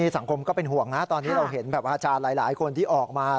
สังคมก็เป็นห่วงนะตอนนี้เราเห็นแบบอาจารย์หลายคนที่ออกมา